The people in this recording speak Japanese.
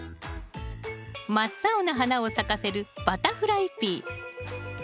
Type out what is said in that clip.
真っ青な花を咲かせるバタフライピー。